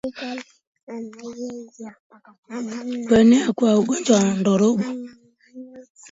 Kuenea kwa ugonjwa wa ndorobo